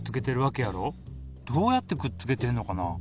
どうやってくっつけてんのかなあ。